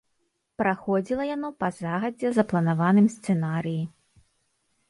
Праходзіла яно па загадзя запланаваным сцэнарыі.